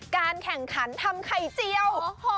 การแข่งขันทำไข่เจียว